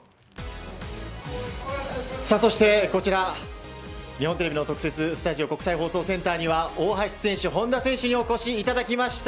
そして、こちら日本テレビの特設スタジオには大橋選手、本多選手にお越しいただきました。